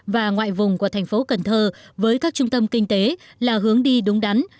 và ngoại vùng của thành phố cần thơ với các trung tâm kinh tế là hướng đi đúng đắn